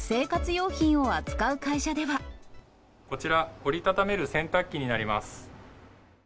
こちら、折り畳める洗濯機になります。